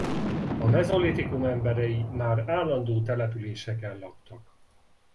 A mezolitikum emberei már állandó településeken laktak.